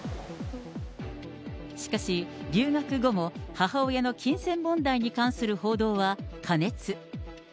しかし、留学後も母親の金銭問題に関する報道は過熱。